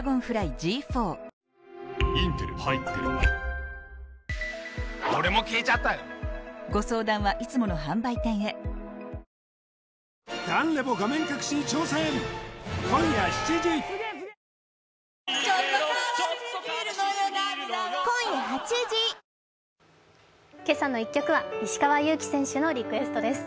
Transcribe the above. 明治おいしい牛乳「けさの１曲」は石川祐希選手のリクエストです。